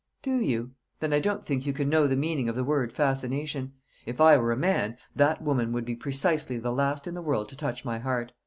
"Do you? Then I don't think you can know the meaning of the word 'fascination.' If I were a man, that woman would be precisely the last in the world to touch my heart.